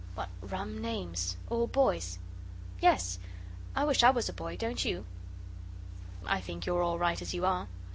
"What rum names. All boys'." "Yes I wish I was a boy, don't you?" "I think you're all right as you are."